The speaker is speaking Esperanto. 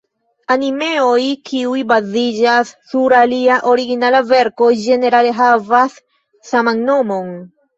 Animeoj kiuj baziĝas sur alia originala verko, ĝenerale havas saman nomon.